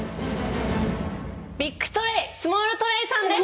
ビッグトレイスモールトレイさんです！